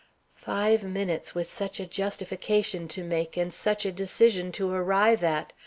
Five minutes, with such a justification to make, and such a decision to arrive at!